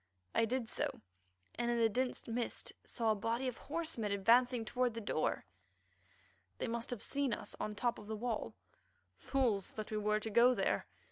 I did so, and in the dense mist saw a body of horsemen advancing toward the door. They must have seen us on the top of the wall. "Fools that we were to go there!"